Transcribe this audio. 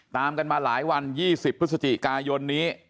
ตามกันมาหลายวัน๒๐พฤศจิกายนนี้